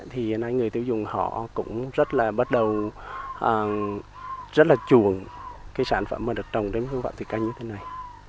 thì người tiêu dùng họ cũng rất là bắt đầu chùa sản phẩm được trồng đến phương pháp thủy canh như thế này